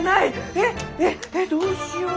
えっえっえっどうしよう。